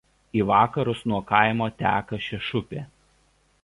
Į vakarus nuo kaimo teka Šešupė.